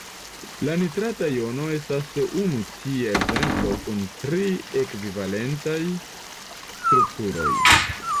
La nitrata jono estas unu tia ekzemplo kun tri ekvivalentaj strukturoj.